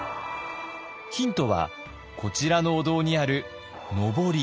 ヒントはこちらのお堂にあるのぼり。